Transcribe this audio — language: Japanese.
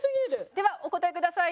ではお答えください。